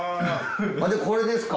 でこれですか？